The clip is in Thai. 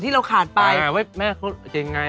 เพื่อการให้แม่ไง